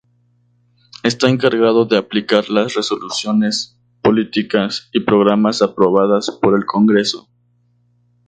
Está encargado de aplicar las resoluciones, políticas y programas aprobadas por el Congreso.